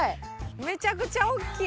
めちゃくちゃ大っきい！